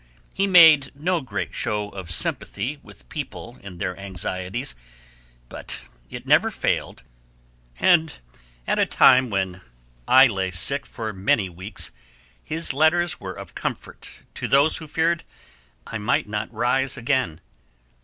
He made no great show of sympathy with people in their anxieties, but it never failed, and at a time when I lay sick for many weeks his letters were of comfort to those who feared I might not rise again.